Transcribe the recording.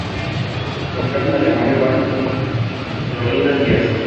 Contrajo matrimonio con Clorinda Díaz.